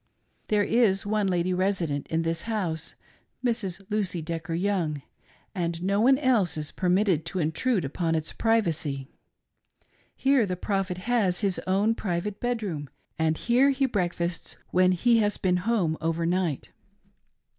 There is one lady resident in this house — Mrs. Lucy Decker Young — and no one else is per mitted to intrude upon its privacy. Here the prophet has bis own private bedroom, and here he breakfasts when he has been at home over night.